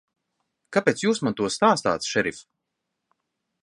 Kāpēc Jūs man to stāstāt, šerif?